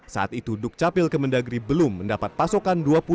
saat itu duk capil kemendagri belum mendapat pasokan